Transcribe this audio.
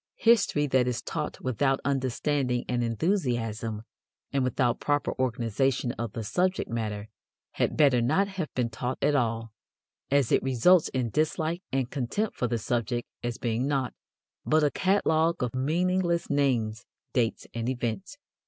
History that is taught without understanding and enthusiasm and without proper organization of the subject matter had better not have been taught at all, as it results in dislike and contempt for the subject as being nought but a catalogue of meaningless names, dates and events.